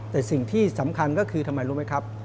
แต่สิ่งที่สำคัญก็คือทำไมรู้ไหมครับ